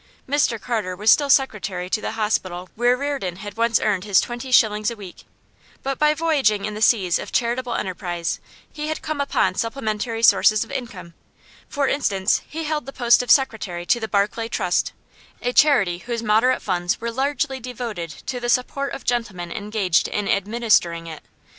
Mr Carter was still secretary to the hospital where Reardon had once earned his twenty shillings a week, but by voyaging in the seas of charitable enterprise he had come upon supplementary sources of income; for instance, he held the post of secretary to the Barclay Trust, a charity whose moderate funds were largely devoted to the support of gentlemen engaged in administering it.